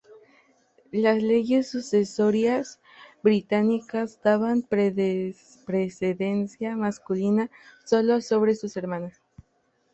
Las leyes sucesorias británicas daban precedencia masculina sólo sobre sus hermanas.